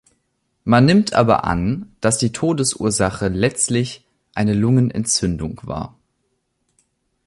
Man nimmt aber an, dass die Todesursache letztlich eine Lungenentzündung war.